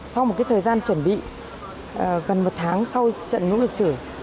sau một thời gian chuẩn bị gần một tháng sau trận lũ lịch sử